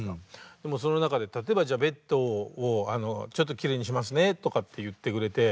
でもその中で例えばじゃあ「ベッドをちょっときれいにしますね」とかって言ってくれて。